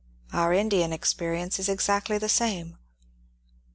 Our Indian experience is exactly the same.